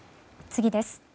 次です。